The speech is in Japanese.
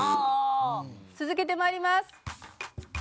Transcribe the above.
続けてまいります。